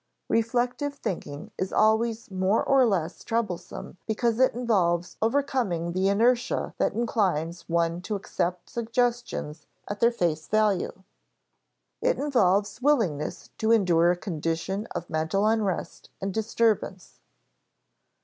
Reflective thinking is always more or less troublesome because it involves overcoming the inertia that inclines one to accept suggestions at their face value; it involves willingness to endure a condition of mental unrest and disturbance.